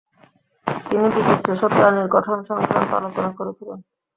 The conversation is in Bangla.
তিনি বিচিত্রসব প্রাণীর গঠন সংক্রান্ত আলোচনা করেছিলেন।